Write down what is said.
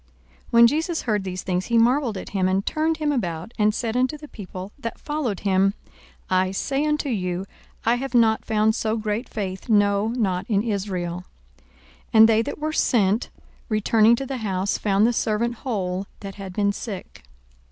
42:007:009 When Jesus heard these things, he marvelled at him, and turned him about, and said unto the people that followed him, I say unto you, I have not found so great faith, no, not in Israel. 42:007:010 And they that were sent, returning to the house, found the servant whole that had been sick.